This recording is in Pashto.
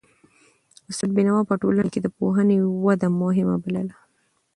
استاد بینوا په ټولنه کي د پوهنې وده مهمه بلله.